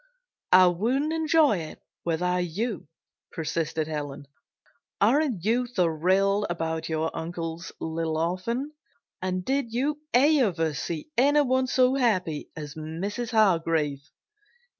"I wouldn't enjoy it without you," persisted Helen. "Aren't you thrilled about your uncle's little orphan? And did you ever see anyone so happy as Mrs. Hargrave?"